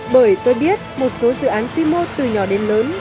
bởi tôi biết một số dự án quy mô từ nhỏ đến lớn